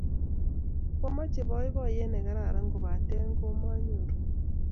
Kwomoche poipoyet ne kararan ,kopate komaanyoru